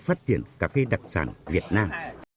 phát triển cà phê đặc sản việt nam